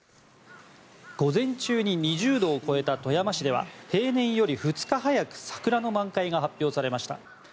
午前中に２０度を超えた富山市では平年より２日早く桜の満開が発表されました。